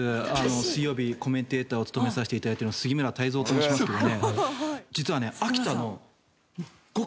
水曜日コメンテーターを務めさせて頂いてる杉村太蔵と申しますけどね。